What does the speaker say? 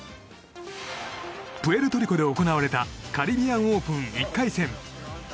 プエルトリコで行われたカリビアン・オープン１回戦。